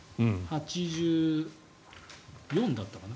８４だったかな。